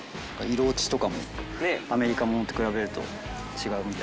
色落ちとかもアメリカのものと比べると違うみたいですね。